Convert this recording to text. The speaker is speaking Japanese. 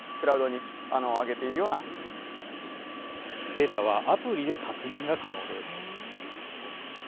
データはアプリで確認が可能です。